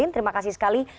terima kasih sekali